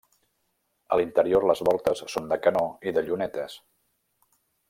A l'interior les voltes són de canó i de llunetes.